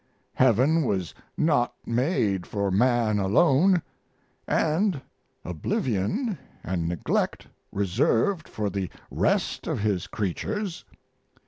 Heaven was not made for man alone, and oblivion and neglect reserved for the rest of His creatures.